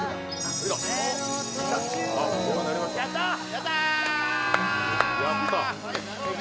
やったー。